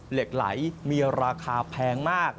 เหล็กไหลมีราคาแพงมาก